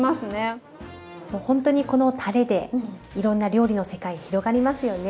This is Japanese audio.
ほんとにこのたれでいろんな料理の世界広がりますよね。